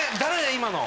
今の。